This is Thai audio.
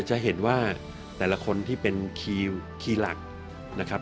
จะเห็นว่าแต่ละคนที่เป็นคีย์หลักนะครับ